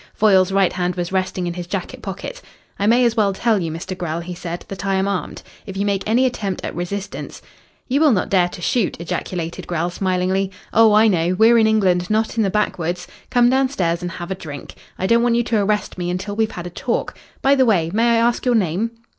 Foyle's right hand was resting in his jacket pocket. "I may as well tell you, Mr. Grell," he said, "that I am armed. If you make any attempt at resistance " "You will not dare to shoot," ejaculated Grell smilingly. "Oh, I know. We're in England, not in the backwoods. Come downstairs and have a drink. I don't want you to arrest me until we've had a talk. By the way, may I ask your name?"